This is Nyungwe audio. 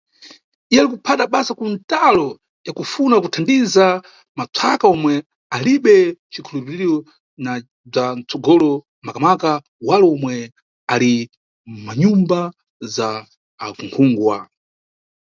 Iye ali kuphata basa ku ntalo ya kufuna kuthandiza matswaka omwe alibe cikhulupiriro na bzwa kutsogolo, makamaka wale omwe ali mʼmanyumba za akhungwa.